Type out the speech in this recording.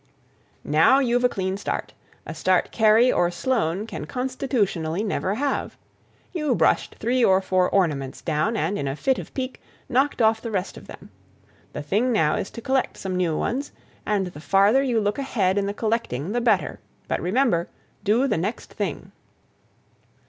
"Now you've a clean start—a start Kerry or Sloane can constitutionally never have. You brushed three or four ornaments down, and, in a fit of pique, knocked off the rest of them. The thing now is to collect some new ones, and the farther you look ahead in the collecting the better. But remember, do the next thing!"